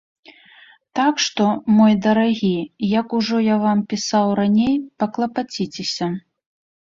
Так што, мой дарагі, як ужо я вам пісаў раней, паклапаціцеся.